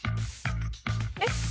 えっ？